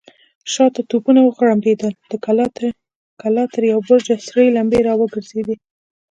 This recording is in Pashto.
شاته توپونه وغړمبېدل، د کلا تر يوه برج سرې لمبې را وګرځېدې.